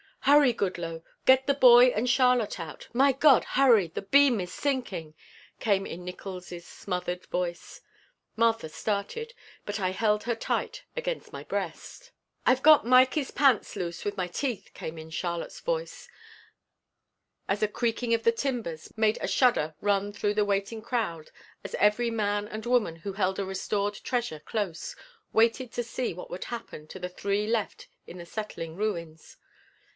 "Hurry, Goodloe, get the boy and Charlotte; my God, hurry, the beam is sinking!" came in Nickols' smothered voice. Martha started, but I held her tight against my breast. "I've got Mikey's pants loose with my teeth," came in Charlotte's voice, as a creaking of the timbers made a shudder run through the waiting crowd as every man and woman who held a restored treasure close, waited to see what would happen to the three left in the settling ruins.